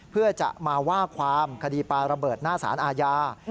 เพื่อจะมาว่าความคดีปลาระเบิดหน้าสารอาญา